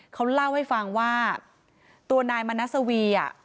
เขาเล่าให้ฟังว่าตัวนายมณัสวีอ่ะ